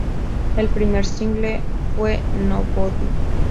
El primer single fue "Nobody".